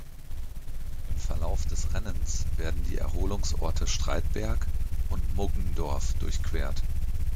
Im Verlauf des Rennens werden die Erholungsorte Streitberg und Muggendorf durchquert.